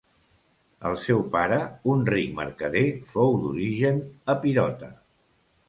El seu pare, un ric mercader, fou d'origen epirota.